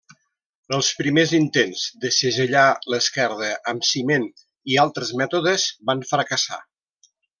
Els primers intents de segellar l'esquerda amb ciment i altres mètodes van fracassar.